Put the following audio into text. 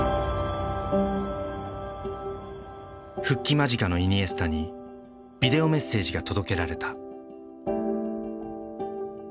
復帰間近のイニエスタにビデオメッセージが届けられた。